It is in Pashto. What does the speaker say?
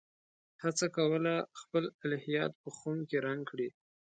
هڅه کوله خپل الهیات په خُم کې رنګ کړي.